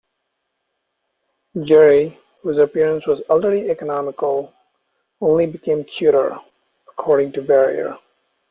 Jerry, whose appearance was already economical, only become cuter, according to Barrier.